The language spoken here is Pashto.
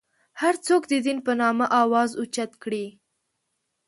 هر څوک د دین په نامه اواز اوچت کړي.